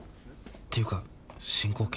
っていうか進行形。